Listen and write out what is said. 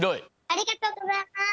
ありがとうございます！